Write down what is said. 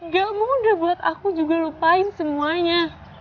kamu udah buat aku juga lupain semuanya